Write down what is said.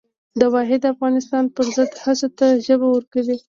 د واحد افغانستان پر ضد هڅو ته ژبه ورکوي.